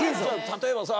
例えばさ。